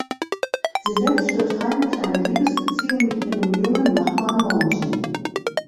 Sie selbst führt heimlich eine Liebesbeziehung mit ihrem jungen Nachbarn Monty.